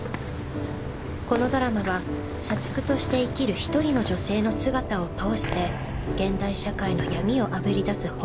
このドラマは社畜として生きる一人の女性の姿を通して現代社会の闇をあぶりだす